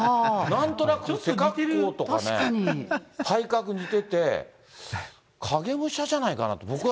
なんとなく背格好とかね、体格似てて、影武者じゃないかなと、僕は。